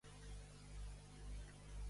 Era a les tres que em prenia el Xanax?